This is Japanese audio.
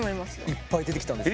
いっぱい出てきたんです。